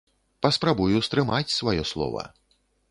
Паспрабую стрымаць сваё слова.